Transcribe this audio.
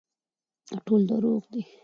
ټول دروغ دي